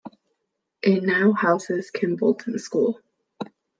It now houses Kimbolton School.